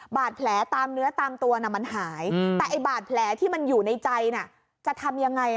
บาดแผลตามเนื้อตามตัวน่ะมันหายแต่ไอ้บาดแผลที่มันอยู่ในใจจะทำยังไง